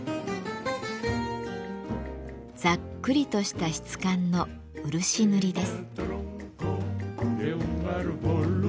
ザックリとした質感の漆塗りです。